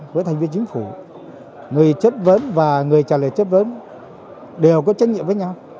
với thành viên chính phủ người chất vấn và người trả lời chất vấn đều có trách nhiệm với nhau